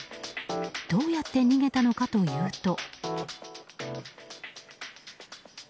どうやって逃げたのかというと。